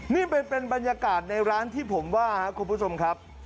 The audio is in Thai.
นี่เป็นบรรยากาศในร้านที่ผมว่าครับคุณผู้ชมครับ